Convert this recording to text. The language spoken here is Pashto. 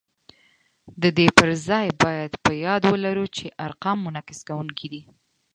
د دې پر ځای باید په یاد ولرو چې ارقام منعکس کوونکي دي